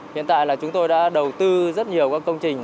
hiện tại là chúng tôi đã đầu tư rất nhiều các công trình